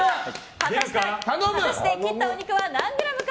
果たして切ったお肉は何グラムか。